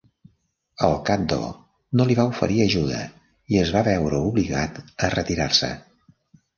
El Caddo no li va oferir ajuda, i es va veure obligat a retirar-se.